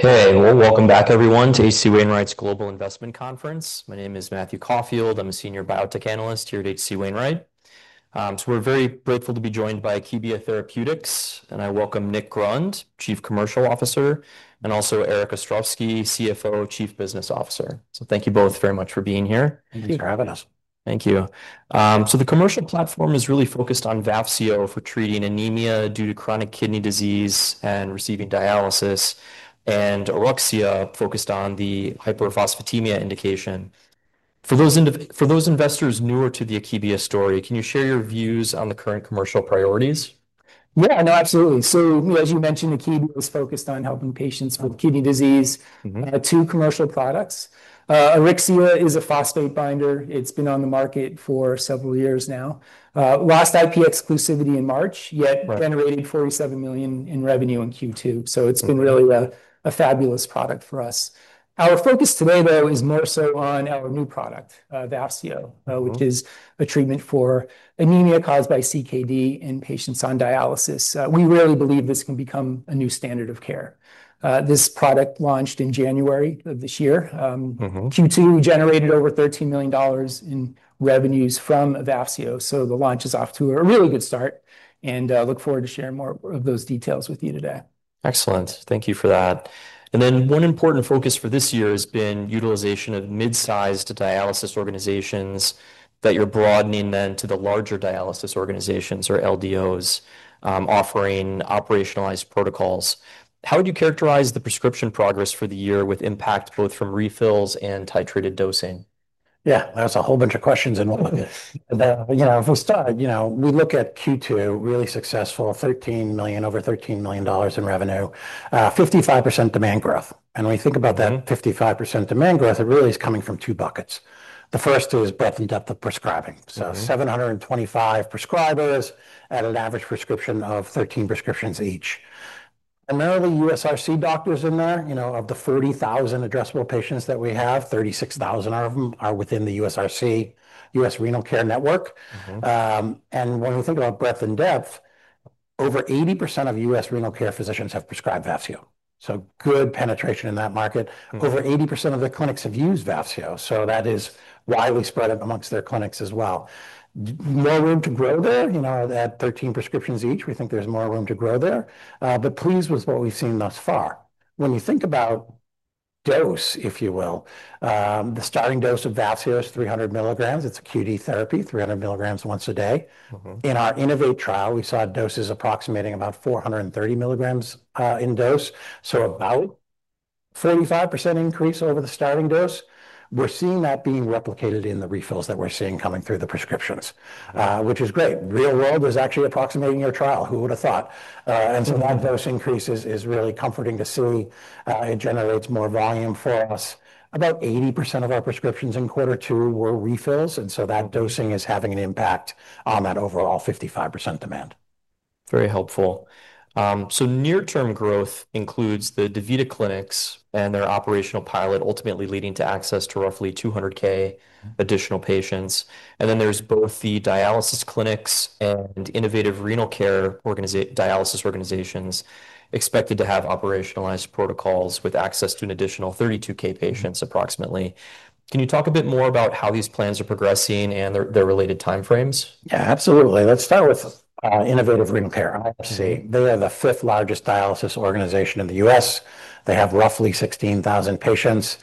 Okay, we're welcome back, everyone, to HC Wainwright's Global Investment Conference. My name is Matthew Caulfield, I'm a Senior Biotech Analyst here at HC Wainwright. We're very grateful to be joined by Akebia Therapeutics, and I welcome Nick Grund, Chief Commercial Officer, and also Erik Ostrowski, CFO, Chief Business Officer. Thank you both very much for being here. Thank you for having us. Thank you. The commercial platform is really focused on Vafseo for treating anemia due to chronic kidney disease and receiving dialysis, and Auryxia focused on the hyperphosphatemia indication. For those investors newer to the Akebia story, can you share your views on the current commercial priorities? Yeah, no, absolutely. As you mentioned, Akebia Therapeutics is focused on helping patients with kidney disease, two commercial products. Auryxia is a phosphate binder. It's been on the market for several years now. Last IP exclusivity in March, yet generating $47 million in revenue in Q2. It's been really a fabulous product for us. Our focus today, though, is more so on our new product, Vafseo, which is a treatment for anemia caused by CKD in patients on dialysis. We really believe this can become a new standard of care. This product launched in January of this year. Q2 generated over $13 million in revenues from Vafseo, so the launch is off to a really good start, and I look forward to sharing more of those details with you today. Excellent, thank you for that. One important focus for this year has been utilization of mid-sized dialysis organizations that you're broadening to the larger dialysis organizations or LDOs, offering operationalized protocols. How would you characterize the prescription progress for the year with impact both from refills and titrated dosing? Yeah, that's a whole bunch of questions in one. If we start, we look at Q2, really successful, over $13 million in revenue, 55% demand growth. When we think about that 55% demand growth, it really is coming from two buckets. The first is breadth and depth of prescribing. So 725 prescribers at an average prescription of 13 prescriptions each. There are the US Renal Care doctors in there. Of the 40,000 addressable patients that we have, 36,000 of them are within the US Renal Care Network. When we think about breadth and depth, over 80% of US Renal Care physicians have prescribed Vafseo. Good penetration in that market. Over 80% of the clinics have used Vafseo, so that is widely spread amongst their clinics as well. More room to grow there. At 13 prescriptions each, we think there's more room to grow there. Pleased with what we've seen thus far. When you think about dose, if you will, the starting dose of Vafseo is 300 milligrams. It's a QD therapy, 300 milligrams once a day. In our Innovate trial, we saw doses approximating about 430 milligrams in dose, so about a 45% increase over the starting dose. We're seeing that being replicated in the refills that we're seeing coming through the prescriptions, which is great. Real world was actually approximating your trial. Who would have thought? That dose increase is really comforting to see. It generates more volume for us. About 80% of our prescriptions in Q2 were refills, and that dosing is having an impact on that overall 55% demand. Very helpful. Near-term growth includes the DaVita clinics and their operational pilot, ultimately leading to access to roughly 200,000 additional patients. There are both the dialysis clinics and Innovative Renal Care dialysis organizations expected to have operationalized protocols with access to an additional 32,000 patients approximately. Can you talk a bit more about how these plans are progressing and their related timeframes? Yeah, absolutely. Let's start with Innovative Renal Care. I have to say they have the fifth largest dialysis organization in the U.S. They have roughly 16,000 patients.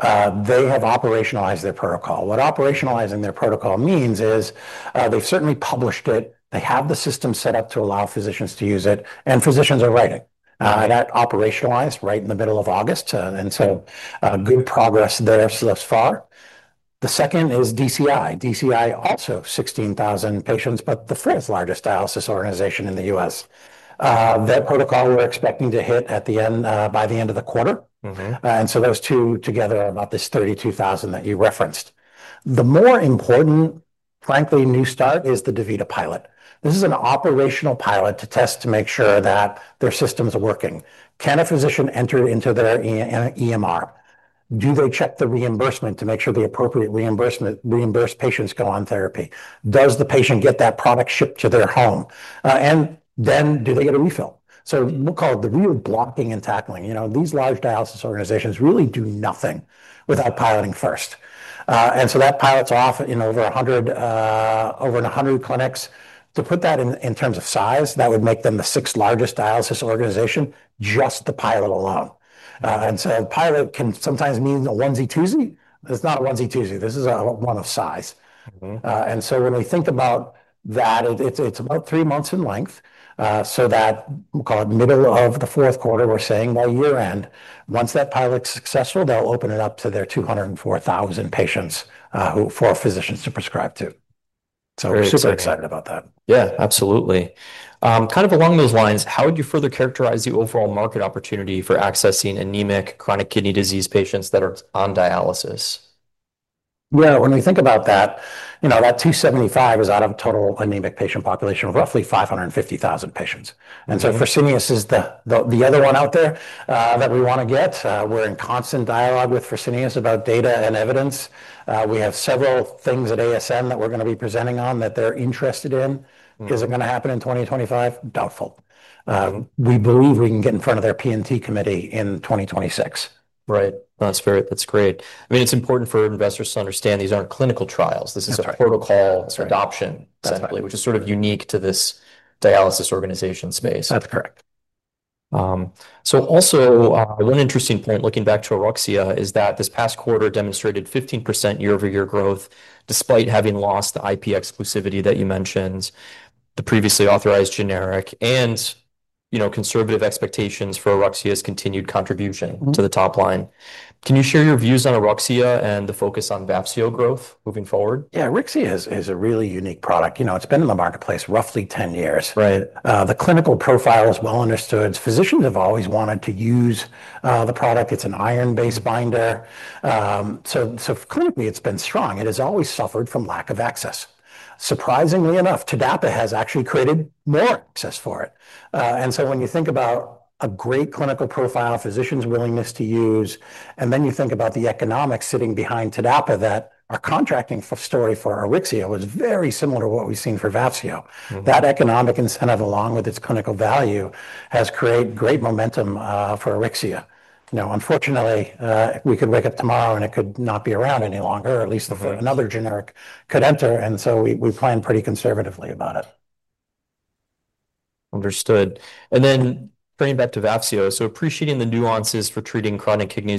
They have operationalized their protocol. What operationalizing their protocol means is they've certainly published it. They have the system set up to allow physicians to use it, and physicians are writing. That operationalized right in the middle of August, and good progress there thus far. The second is Dialysis Clinic Inc. Dialysis Clinic Inc. also has 16,000 patients, but the fifth largest dialysis organization in the U.S. That protocol we're expecting to hit by the end of the quarter. Those two together are about this 32,000 that you referenced. The more important, frankly, new start is the DaVita pilot. This is an operational pilot to test to make sure that their systems are working. Can a physician enter into their EMR? Do they check the reimbursement to make sure the appropriate reimbursed patients go on therapy? Does the patient get that product shipped to their home? Do they get a refill? We'll call it the real blocking and tackling. These large dialysis organizations really do nothing without piloting first. That pilot's off in over 100 clinics. To put that in terms of size, that would make them the sixth largest dialysis organization, just the pilot alone. The pilot can sometimes mean a onesie-twosie. It's not a onesie-twosie. This is a one of size. When we think about that, it's about three months in length. We'll call it middle of the fourth quarter, we're saying by year-end, once that pilot's successful, they'll open it up to their 204,000 patients for physicians to prescribe to. We're super excited about that. Yeah, absolutely. Along those lines, how would you further characterize the overall market opportunity for accessing anemic chronic kidney disease patients that are on dialysis? When we think about that, you know, that 275 is out of total anemic patient population of roughly 550,000 patients. Fresenius is the other one out there that we want to get. We're in constant dialogue with Fresenius about data and evidence. We have several things at ASN that we're going to be presenting on that they're interested in. Is it going to happen in 2025? Doubtful. We believe we can get in front of their P&T committee in 2026. Right. That's great. I mean, it's important for investors to understand these aren't clinical trials. This is a protocol adoption essentially, which is sort of unique to this dialysis organization space. That's correct. One interesting point looking back to Auryxia is that this past quarter demonstrated 15% year-over-year growth despite having lost the IP exclusivity that you mentioned, the previously authorized generic, and, you know, conservative expectations for Auryxia's continued contribution to the top line. Can you share your views on Auryxia and the focus on Vafseo growth moving forward? Yeah, Auryxia is a really unique product. You know, it's been in the marketplace roughly 10 years. Right. The clinical profile is well understood. Physicians have always wanted to use the product. It's an iron-based binder, so clinically, it's been strong. It has always suffered from lack of access. Surprisingly enough, TDAPA has actually created more access for it. When you think about a great clinical profile, physicians' willingness to use, and then you think about the economics sitting behind TDAPA, our contracting story for Auryxia was very similar to what we've seen for Vafseo. That economic incentive, along with its clinical value, has created great momentum for Auryxia. Unfortunately, we could wake up tomorrow and it could not be around any longer, or at least another generic could enter. We plan pretty conservatively about it. Understood. Turning back to Vafseo, appreciating the nuances for treating chronic kidney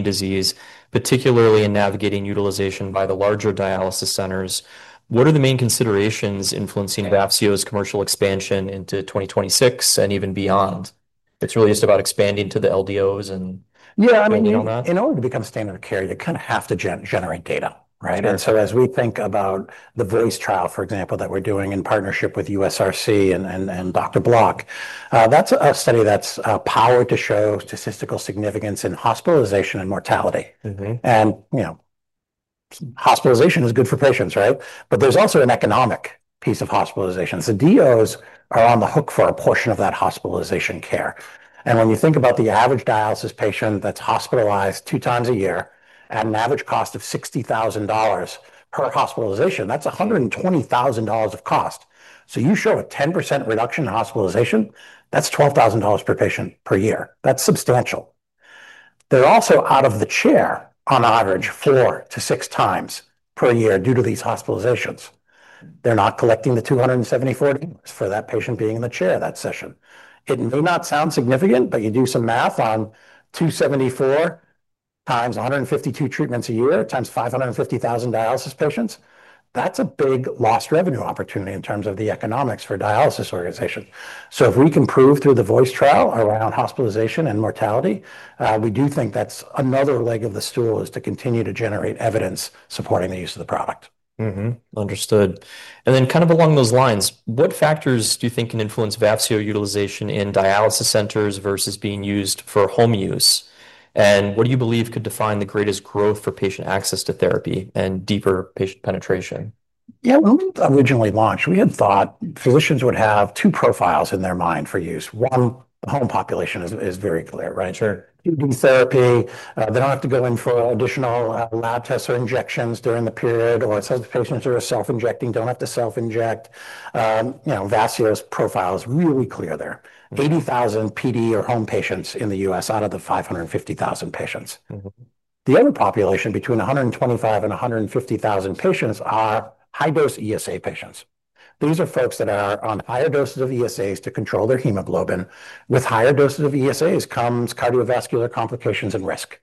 disease, particularly in navigating utilization by the larger dialysis centers, what are the main considerations influencing Vafseo's commercial expansion into 2026 and even beyond? It's really just about expanding to the LDOs and beyond that? Yeah, I mean, in order to become standard of care, you kind of have to generate data, right? As we think about the VACE trial, for example, that we're doing in partnership with US Renal Care and Dr. Block, that's a study that's powered to show statistical significance in hospitalization and mortality. Hospitalization is good for patients, right? There's also an economic piece of hospitalization. D.O.s are on the hook for a portion of that hospitalization care. When you think about the average dialysis patient that's hospitalized two times a year at an average cost of $60,000 per hospitalization, that's $120,000 of cost. You show a 10% reduction in hospitalization, that's $12,000 per patient per year. That's substantial. They're also out of the chair on average four to six times per year due to these hospitalizations. They're not collecting the $274 for that patient being in the chair that session. It may not sound significant, but you do some math on $274 times 152 treatments a year times 550,000 dialysis patients, that's a big lost revenue opportunity in terms of the economics for a dialysis organization. If we can prove through the VACE trial around hospitalization and mortality, we do think that's another leg of the stool to continue to generate evidence supporting the use of the product. Understood. Kind of along those lines, what factors do you think can influence Vafseo utilization in dialysis centers versus being used for home use? What do you believe could define the greatest growth for patient access to therapy and deeper patient penetration? Yeah, when we originally launched, we had thought physicians would have two profiles in their mind for use. One, the home population is very clear, right? Sure. They don't have to go in for additional lab tests or injections during the period, or some patients who are self-injecting don't have to self-inject. You know, Vafseo's profile is really clear there. 80,000 PD or home patients in the U.S. out of the 550,000 patients. The other population between 125,000 and 150,000 patients are high-dose ESA patients. These are folks that are on higher doses of ESAs to control their hemoglobin. With higher doses of ESAs comes cardiovascular complications and risk.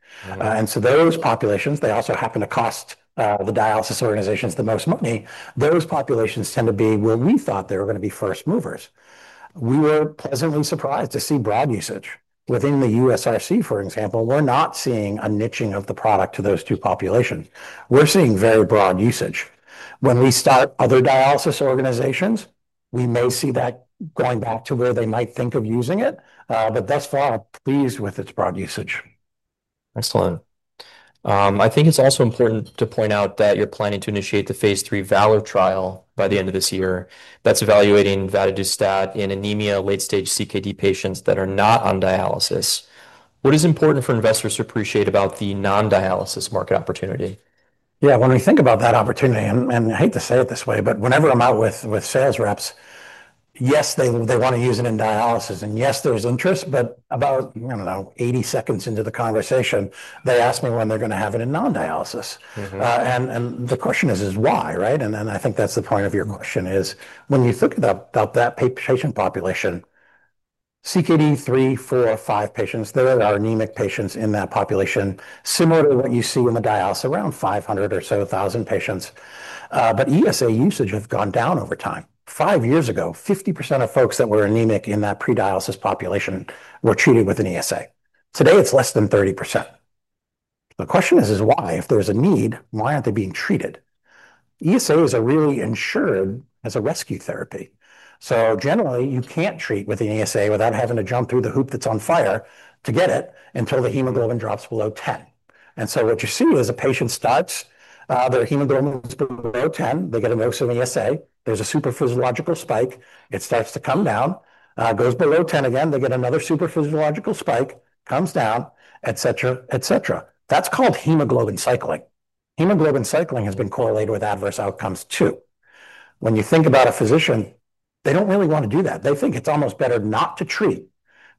Those populations also happen to cost the dialysis organizations the most money. Those populations tend to be where we thought they were going to be first movers. We were pleasantly surprised to see broad usage. Within the US Renal Care, for example, we're not seeing a niching of the product to those two populations. We're seeing very broad usage. When we start other dialysis organizations, we may see that going back to where they might think of using it. Thus far, I'm pleased with its broad usage. Excellent. I think it's also important to point out that you're planning to initiate the Phase 3 VALOR trial by the end of this year that's evaluating Vafseo in anemia late-stage CKD patients that are not on dialysis. What is important for investors to appreciate about the non-dialysis market opportunity? Yeah, when we think about that opportunity, and I hate to say it this way, but whenever I'm out with sales reps, yes, they want to use it in dialysis, and yes, there's interest, but about, I don't know, 80 seconds into the conversation, they ask me when they're going to have it in non-dialysis. The question is, is why, right? I think that's the point of your question is, when you think about that patient population, CKD 3, 4, 5 patients, there are anemic patients in that population, similar to what you see in dialysis, around 500,000 or so patients. ESA usage has gone down over time. Five years ago, 50% of folks that were anemic in that pre-dialysis population were treated with an ESA. Today, it's less than 30%. The question is, is why? If there is a need, why aren't they being treated? ESAs are really insured as a rescue therapy. Generally, you can't treat with an ESA without having to jump through the hoop that's on fire to get it until the hemoglobin drops below 10. What you see is a patient starts, their hemoglobin is below 10, they get a dose of ESA, there's a super physiological spike, it starts to come down, goes below 10 again, they get another super physiological spike, comes down, et cetera, et cetera. That's called hemoglobin cycling. Hemoglobin cycling has been correlated with adverse outcomes too. When you think about a physician, they don't really want to do that. They think it's almost better not to treat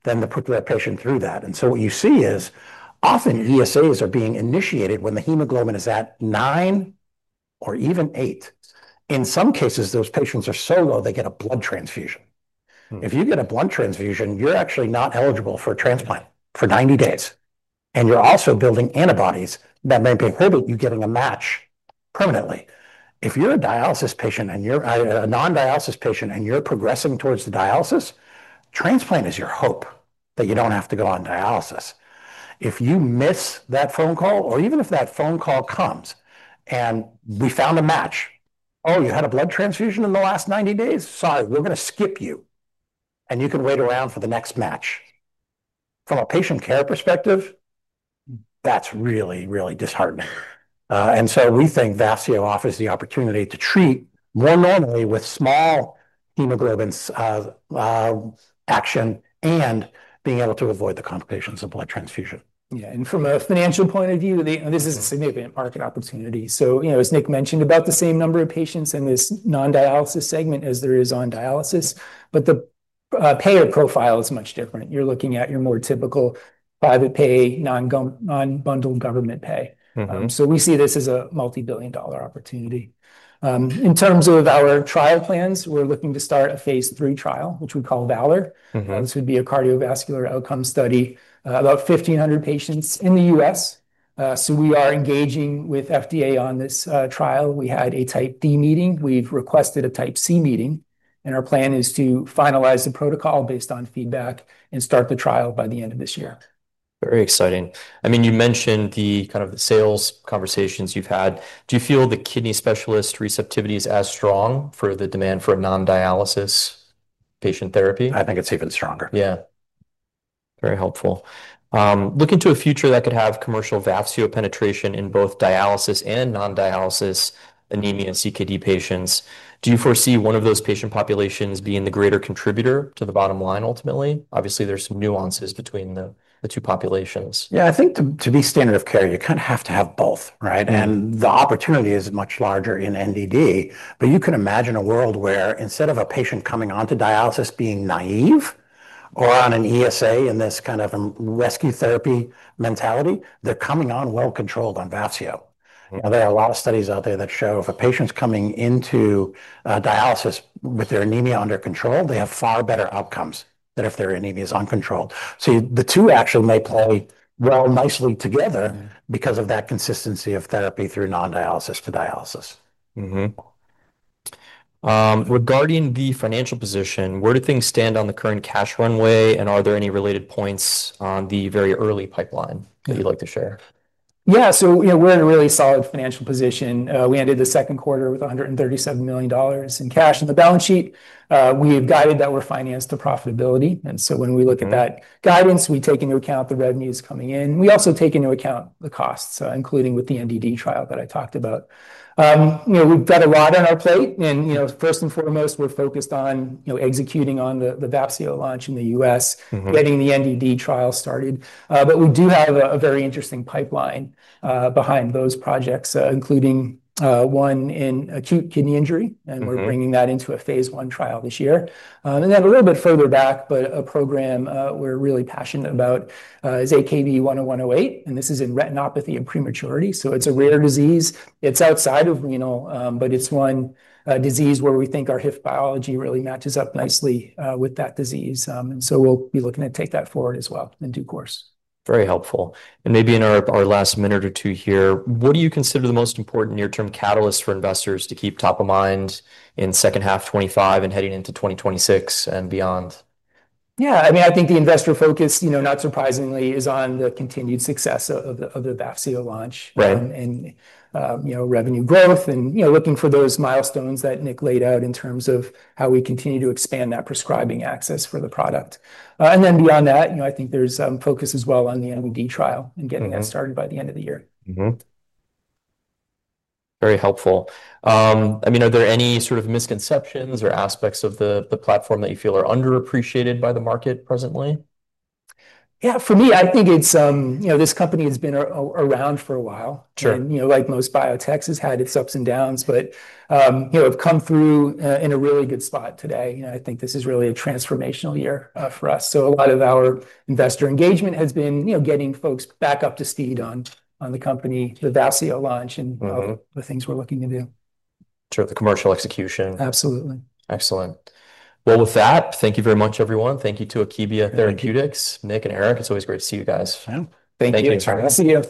than to put their patient through that. What you see is often ESAs are being initiated when the hemoglobin is at nine or even eight. In some cases, those patients are so low, they get a blood transfusion. If you get a blood transfusion, you're actually not eligible for a transplant for 90 days. You're also building antibodies that may prohibit you getting a match permanently. If you're a dialysis patient and you're a non-dialysis patient and you're progressing towards dialysis, transplant is your hope that you don't have to go on dialysis. If you miss that phone call or even if that phone call comes and we found a match, oh, you had a blood transfusion in the last 90 days, sorry, we're going to skip you and you can wait around for the next match. From a patient care perspective, that's really, really disheartening. We think Vafseo offers the opportunity to treat more normally with small hemoglobin action and being able to avoid the complications of blood transfusion. Yeah, and from a financial point of view, this is a significant market opportunity. As Nick mentioned, about the same number of patients in this non-dialysis segment as there is on dialysis, but the payer profile is much different. You're looking at your more typical private pay, non-bundled government pay. We see this as a multi-billion dollar opportunity. In terms of our trial plans, we're looking to start a Phase 3 trial, which we call VALOR. This would be a cardiovascular outcome study, about 1,500 patients in the U.S. We are engaging with FDA on this trial. We had a Type D meeting. We've requested a Type C meeting, and our plan is to finalize the protocol based on feedback and start the trial by the end of this year. Very exciting. I mean, you mentioned the kind of the sales conversations you've had. Do you feel the kidney specialist receptivity is as strong for the demand for non-dialysis patient therapy? I think it's even stronger. Yeah, very helpful. Looking to a future that could have commercial Vafseo penetration in both dialysis and non-dialysis anemia CKD patients, do you foresee one of those patient populations being the greater contributor to the bottom line ultimately? Obviously, there's some nuances between the two populations. Yeah, I think to be standard of care, you kind of have to have both, right? The opportunity is much larger in non-dialysis-dependent CKD, but you can imagine a world where instead of a patient coming onto dialysis being naive or on an ESA in this kind of rescue therapy mentality, they're coming on well controlled on Vafseo. There are a lot of studies out there that show if a patient's coming into dialysis with their anemia under control, they have far better outcomes than if their anemia is uncontrolled. The two actually may play well nicely together because of that consistency of therapy through non-dialysis to dialysis. Regarding the financial position, where do things stand on the current cash runway, and are there any related points on the very early pipeline that you'd like to share? Yeah, so you know we're in a really solid financial position. We ended the second quarter with $137 million in cash in the balance sheet. We've guided that refinance to profitability. When we look at that guidance, we take into account the revenues coming in. We also take into account the costs, including with the NDD trial that I talked about. We've got a lot on our plate, and first and foremost, we're focused on executing on the Vafseo launch in the U.S., getting the NDD trial started. We do have a very interesting pipeline behind those projects, including one in acute kidney injury, and we're bringing that into a phase 1 trial this year. A little bit further back, but a program we're really passionate about is AKB-10108. This is in retinopathy of prematurity. It's a rare disease. It's outside of renal, but it's one disease where we think our HIF biology really matches up nicely with that disease. We'll be looking to take that forward as well in due course. Very helpful. In our last minute or two here, what do you consider the most important near-term catalyst for investors to keep top of mind in the second half of 2025 and heading into 2026 and beyond? Yeah, I mean, I think the investor focus, you know, not surprisingly, is on the continued success of the Vafseo launch and, you know, revenue growth, and, you know, looking for those milestones that Nick laid out in terms of how we continue to expand that prescribing access for the product. Beyond that, you know, I think there's some focus as well on the NDD trial and getting that started by the end of the year. Very helpful. I mean, are there any sort of misconceptions or aspects of the platform that you feel are underappreciated by the market presently? Yeah, for me, I think it's, you know, this company has been around for a while. You know, like most biotechs, it's had its ups and downs, but I've come through in a really good spot today. I think this is really a transformational year for us. A lot of our investor engagement has been getting folks back up to speed on the company, the Vafseo launch, and the things we're looking to do. Sure, the commercial execution. Absolutely. Excellent. With that, thank you very much, everyone. Thank you to Akebia Therapeutics, Nick, and Erik. It's always great to see you guys. Thank you. Thank you.